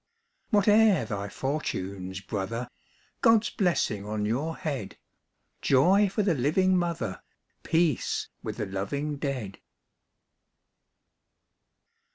Whate'er thy fortunes, brother! God's blessing on your head; Joy for the living mother, Peace with the loving dead.